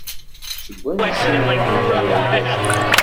Seg wansi ay d-yeffeɣ wergaz-a?